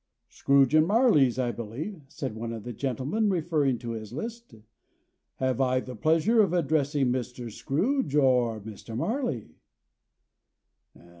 "Scrooge and Marley's, I believe," said one of the gentlemen, referring to his list. "Have I the pleasure of addressing Mr. Scrooge, or Mr. Marley?"